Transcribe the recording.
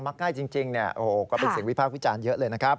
มักง่ายจริงก็เป็นเสียงวิภาควิจารณ์เยอะเลยนะครับ